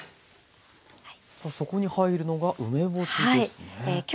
さあそこに入るのが梅干しですね。